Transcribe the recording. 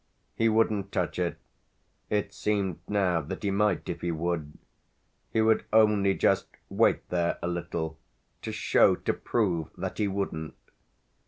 He wouldn't touch it it seemed now that he might if he would: he would only just wait there a little, to show, to prove, that he wouldn't.